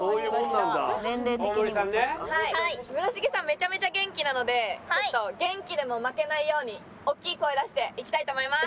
めちゃめちゃ元気なので元気でも負けないように大きい声出していきたいと思います。